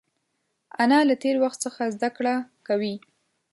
انا له تېر وخت څخه زده کړه کوي